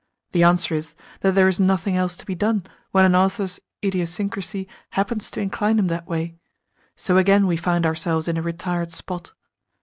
The answer is that there is nothing else to be done when an author's idiosyncrasy happens to incline him that way. So again we find ourselves in a retired spot.